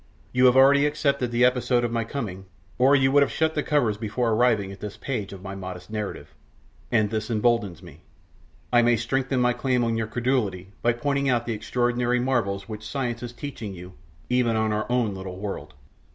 You have already accepted the episode of my coming, or you would have shut the covers before arriving at this page of my modest narrative, and this emboldens me. I may strengthen my claim on your credulity by pointing out the extraordinary marvels which science is teaching you even on our own little world.